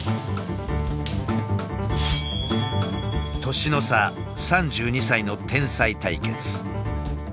年の差３２歳の天才対決。